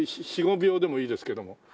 ４５秒でもいいですけども。